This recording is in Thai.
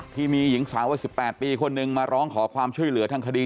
ที่มีหญิงสาวว่า๑๘ปีคนนึงมาร้องขอความช่วยเหลือทางคดี